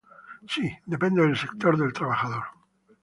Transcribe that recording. Si, depende del sector del trabajador.